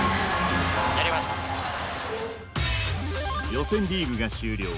予選リーグが終了。